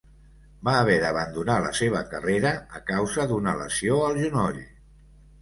Va haver d'abandonar la seva carrera a causa d'una lesió al genoll.